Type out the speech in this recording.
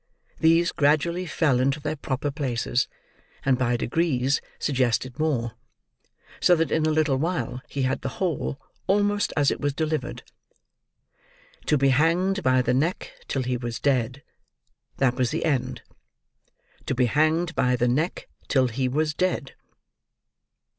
These gradually fell into their proper places, and by degrees suggested more: so that in a little time he had the whole, almost as it was delivered. To be hanged by the neck, till he was dead—that was the end. To be hanged by the neck till he was dead.